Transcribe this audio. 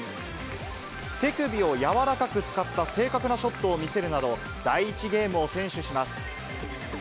手首を柔らかく使った正確なショットを見せるなど、第１ゲームを先取します。